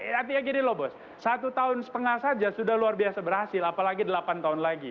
artinya gini loh bos satu tahun setengah saja sudah luar biasa berhasil apalagi delapan tahun lagi